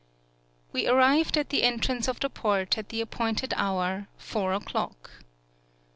We arrived at the entrance of the port at the appointed hour, four o'clock.